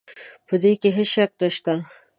په دې کې هېڅ شک نه شته.